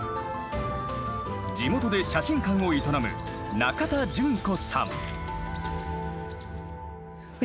地元で写真館を営む中田絢子さん。